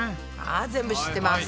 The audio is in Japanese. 全部知ってます。